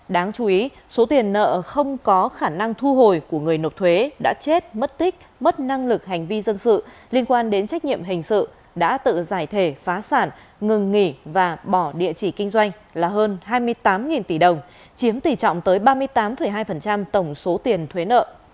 đáng chú ý số tiền nợ không có khả năng thu hồi của người nộp thuế đã chết mất tích mất năng lực hành vi dân sự liên quan đến trách nhiệm hình sự đã tự giải thể phá sản ngừng nghỉ và bỏ địa chỉ kinh doanh là hơn hai mươi tám tỷ đồng chiếm tỷ trọng tới ba mươi tám hai tổng số tiền thuế nợ